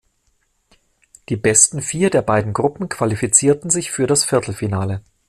Die besten vier der beiden Gruppen qualifizierten sich für das Viertelfinale.